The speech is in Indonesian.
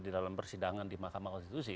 di dalam persidangan di mahkamah konstitusi